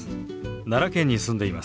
奈良県に住んでいます。